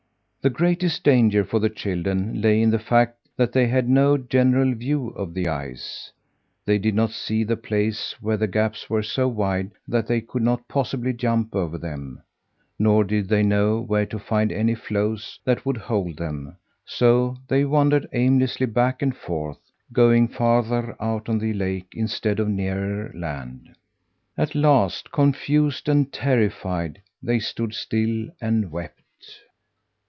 The greatest danger for the children lay in the fact that they had no general view of the ice. They did not see the places where the gaps were so wide that they could not possibly jump over them, nor did they know where to find any floes that would hold them, so they wandered aimlessly back and forth, going farther out on the lake instead of nearer land. At last, confused and terrified, they stood still and wept.